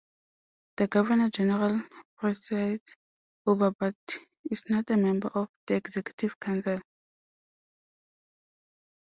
The Governor-General presides over, but is not a member of, the Executive Council.